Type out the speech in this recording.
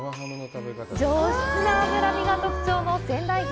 上質な脂身が特徴の仙台牛。